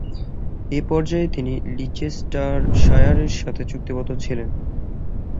এ পর্যায়ে তিনি লিচেস্টারশায়ারের সাথে চুক্তিবদ্ধ ছিলেন।